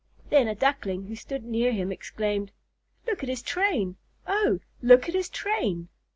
Then a Duckling who stood near him exclaimed, "Look at his train! Oh, look at his train!"